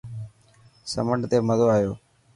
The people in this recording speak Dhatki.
سمنڊ تي مزو آيو.